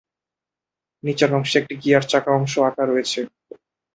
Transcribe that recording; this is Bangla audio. নিচের অংশে একটি গিয়ার চাকা অংশ আঁকা রয়েছে।